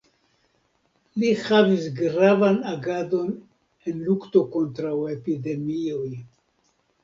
Li havis gravan agadon en lukto kontraŭ epidemioj.